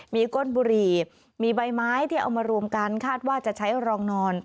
มีก้นบุหรี่มีใบไม้ที่เอามารวมกันคาดว่าจะใช้รองนอน